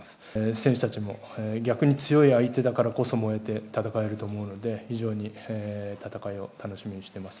選手たちも逆に強い相手だからこそ燃えて戦えると思うので、非常に戦いを楽しみにしてます。